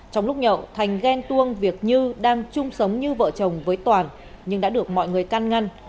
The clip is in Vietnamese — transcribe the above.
trong lúc nhậu thành ghen tuông việc như đang chung sống như vợ chồng với toàn nhưng đã được mọi người can ngăn